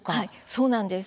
そうなんです。